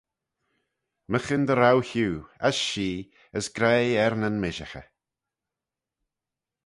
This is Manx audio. Myghin dy row hiu, as shee, as graih er nyn mishaghey.